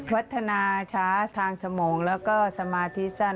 พัฒนาช้าทางสมองแล้วก็สมาธิสั้น